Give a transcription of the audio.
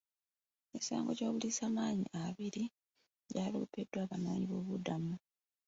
Emisango gy'obulisamaanyi abiri gya loopebwa Abanoonyi boobubudamu.